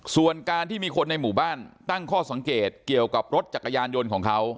ส่วนการที่มีคนในหมู่บ้านตั้งข้อสังเกตเกี่ยวกับรถจักรยานยนต์ของเขา